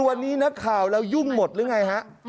วันนี้นะคะวเรายุ่งหมดแล้วไง